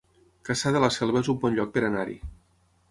Cassà de la Selva es un bon lloc per anar-hi